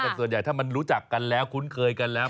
แต่ส่วนใหญ่ถ้ามันรู้จักกันแล้วคุ้นเคยกันแล้ว